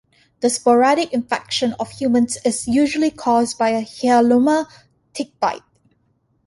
The "sporadic infection" of humans is usually caused by a "Hyalomma" tick bite.